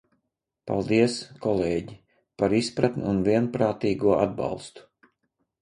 Paldies, kolēģi, par izpratni un vienprātīgo atbalstu!